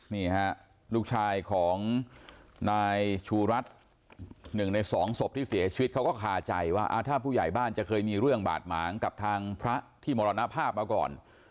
นี่ฮะลูกชายของนายชูรัฐหนึ่งในสองศพที่เสียชีวิตเขาก็คาใจว่าถ้าผู้ใหญ่บ้านจะเคยมีเรื่องบาดหมางกับทางพระที่มรณภาพมาก่อน